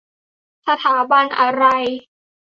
สถาบันอะไร ?